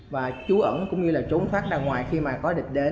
và trú ẩn cũng như là trốn thoát ra ngoài khi mà có địch đến